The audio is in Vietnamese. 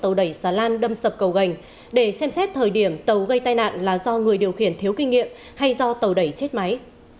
tổ quốc đã đặt tàu đẩy xà lan đâm sập cầu gành để xem xét thời điểm tàu gây tai nạn là do người điều khiển thiếu kinh nghiệm hay do tàu đẩy chết máy